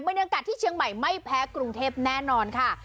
บรรยากาศที่เชียงใหม่ไม่แพ้กรุงเทพแน่นอนค่ะ